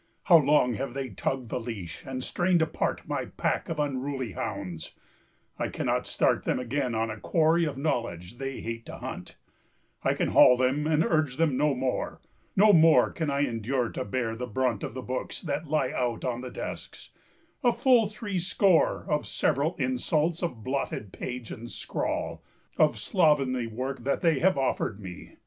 How long have they tugged the leash, and strained apart My pack of unruly hounds: I cannot start Them again on a quarry of knowledge they hate to hunt, I can haul them and urge them no more. No more can I endure to bear the brunt Of the books that lie out on the desks: a full three score Of several insults of blotted page and scrawl Of slovenly work that they have offered me.